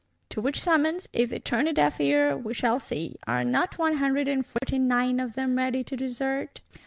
To which summons if they turn a deaf ear,—we shall see! Are not one Hundred and Forty nine of them ready to desert?